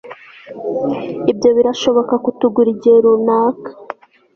ibyo birashobora kutugura igihe runaka